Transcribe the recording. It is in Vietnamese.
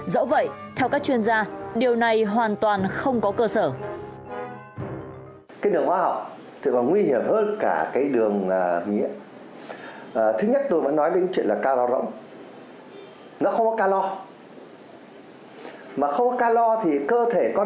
dẫu vậy theo các chuyên gia điều này hoàn toàn không có cơ sở